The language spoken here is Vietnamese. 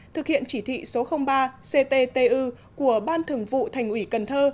thực hiện chỉ thị số ba cttu của ban thường vụ thành ủy cần thơ